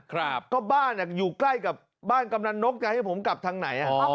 ครับก็บ้านอยู่ใกล้กับบ้านกำนันนกจะให้ผมกลับทางไหน